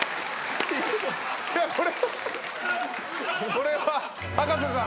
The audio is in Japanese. これは葉加瀬さん。